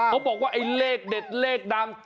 บอกว่าไอ้เลขเด็ดเลขดัง